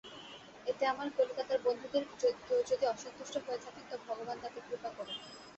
এতে আমার কলিকাতার বন্ধুদের কেউ যদি অসন্তুষ্ট হয়ে থাকেন তো ভগবান তাঁদের কৃপা করুন।